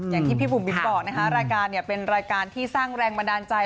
อย่างที่พี่บุ๋มบิ๊กบอกนะคะรายการเป็นรายการที่สร้างแรงบันดาลใจ